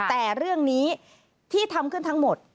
แต่เรื่องนี้ที่ทำขึ้นทั้งหมด